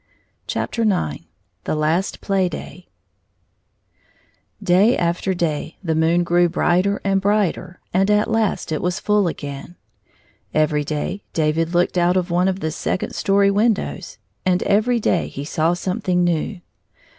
90 IX The Last Play day DAY after day the moon grew brighter and brighter, and at last it was full again. Every day David looked out of one of the second story windows, and every day he saw something new.